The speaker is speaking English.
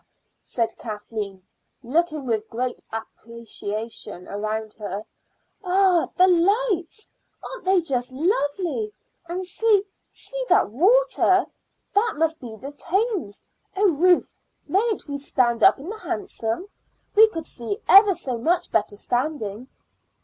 said Kathleen, looking with great appreciation around her "ah! the lights aren't they just lovely? And see see that water. That must be the Thames. Oh, Ruth, mayn't we stand up in the hansom? We could see ever so much better standing."